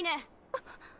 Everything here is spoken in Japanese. あっ。